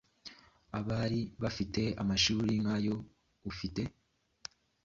Abari bafite amashuri nk’ayo ufite